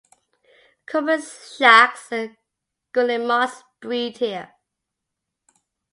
Cormorants, shags and guillemots breed here.